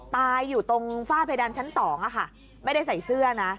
ตายอยู่ตรงฝ้าเพดานชั้น๒ไม่ได้ใส่เสื้อนะ